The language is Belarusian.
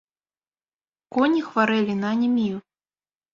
Коні хварэлі на анемію.